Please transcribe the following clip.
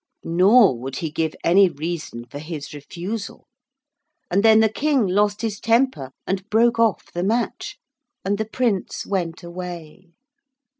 Nor would he give any reason for his refusal. And then the King lost his temper and broke off the match, and the Prince went away.